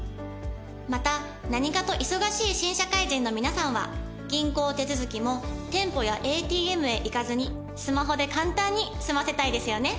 また何かと忙しい新社会人の皆さんは銀行手続きも店舗やＡＴＭへ行かずにスマホで簡単に済ませたいですよね。